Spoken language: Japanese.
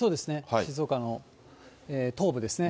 静岡の東部ですね。